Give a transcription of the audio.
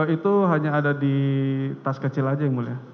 itu hanya ada di tas kecil aja yang mulia